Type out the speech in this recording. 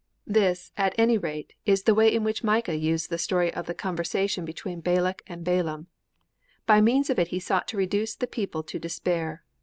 This, at any rate, is the way in which Micah used the story of the conversation between Balak and Balaam. By means of it he sought to reduce the people to despair.